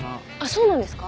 そうなんですか？